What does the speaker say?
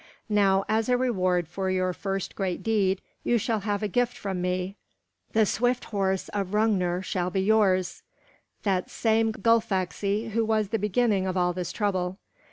Now as a reward for your first great deed you shall have a gift from me. The swift horse of Hrungnir shall be yours, that same Gullfaxi who was the beginning of all this trouble.